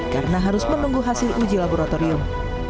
karena harus menunggu hasil uji laboratorium